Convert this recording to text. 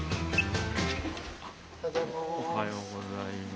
おはようございます。